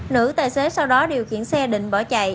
nữ tài xế sau đó điều khiển xe định bỏ chạy